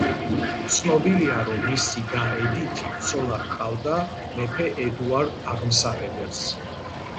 ცნობილია, რომ მისი და ედითი, ცოლად ჰყავდა მეფე ედუარდ აღმსარებელს.